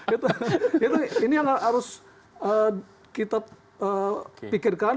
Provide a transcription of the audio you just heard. ini yang harus kita pikirkan